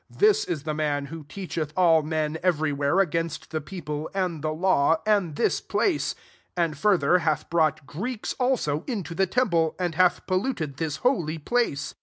This is the man, who teacheth all men, every where, against the people, and the law, and this place : and, further, hath brought Greeks also into the temple ; and hath polluted this holy place."